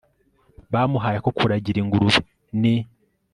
bamuhaye ako kuragira ingurube, ni